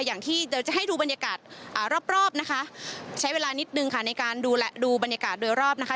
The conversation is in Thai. อย่างที่เดี๋ยวจะให้ดูบรรยากาศรอบนะคะใช้เวลานิดนึงค่ะในการดูแลดูบรรยากาศโดยรอบนะคะ